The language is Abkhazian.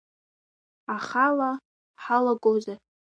Ахала ҳалагозар…